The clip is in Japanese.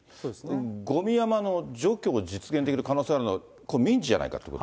ごみ山の除去を実現できる可能性があるのは、民事じゃないかということで。